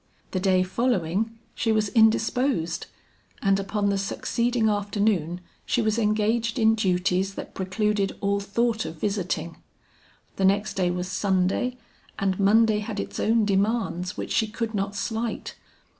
The day following she was indisposed, and upon the succeeding afternoon, she was engaged in duties that precluded all thought of visiting. The next day was Sunday, and Monday had its own demands which she could not slight.